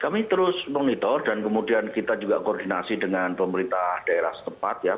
kami terus monitor dan kemudian kita juga koordinasi dengan pemerintah daerah setempat ya